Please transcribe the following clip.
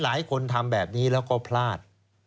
หลายคนทำแบบนี้แล้วก็พลาด